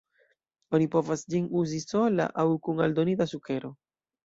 Oni povas ĝin uzi sola aŭ kun aldonita sukero.